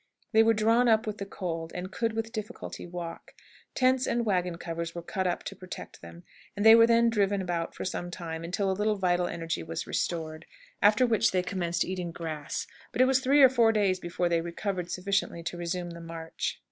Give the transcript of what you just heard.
They were drawn up with the cold, and could with difficulty walk. Tents and wagon covers were cut up to protect them, and they were then driven about for some time, until a little vital energy was restored, after which they commenced eating grass, but it was three or four days before they recovered sufficiently to resume the march.